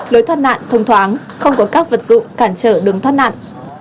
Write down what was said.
lối thoát nạn thông thoáng không có các vật dụng cản trở đường thoát nạn